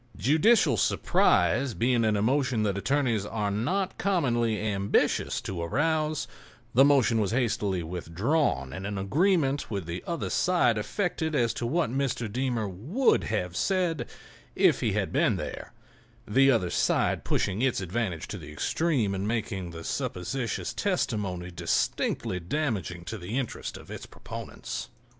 Judicial surprise being an emotion that attorneys are not commonly ambitious to arouse, the motion was hastily withdrawn and an agreement with the other side effected as to what Mr. Deemer would have said if he had been there—the other side pushing its advantage to the extreme and making the supposititious testimony distinctly damaging to the interests of its proponents.